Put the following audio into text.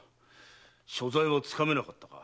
所在はつかめなかったか。